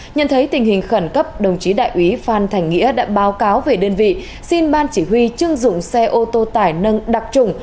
nhận thấy tình hình khẩn cấp đồng chí đại úy phan thành nghĩa đã báo cáo về đơn vị xin ban chỉ huy chưng dụng xe ô tô tải nâng đặc trùng